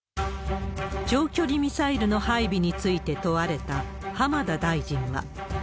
長距離ミサイルの配備について問われた浜田大臣は。